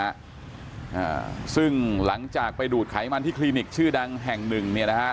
อ่าซึ่งหลังจากไปดูดไขมันที่คลินิกชื่อดังแห่งหนึ่งเนี่ยนะฮะ